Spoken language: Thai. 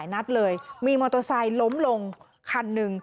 นัดเลยมีมอเตอร์ไซค์ล้มลงคันหนึ่ง